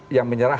ada yang menyerang